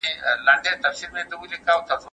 مدافع وکیلان عادلانه محکمې ته اسانه لاسرسی نه لري.